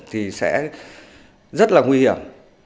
thì sẽ rất là nguy hiểm